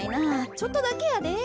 ちょっとだけやで。